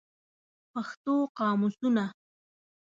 پښتو قاموسونه